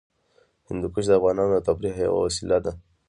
هندوکش د افغانانو د تفریح یوه وسیله ده.